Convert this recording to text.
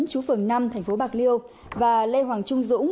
chú phường năm thành phố bạc liêu và lê hoàng trung dũng